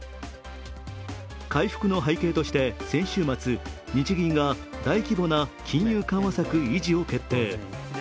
回復の背景として先週末、日銀が大規模な金融緩和策維持を決定。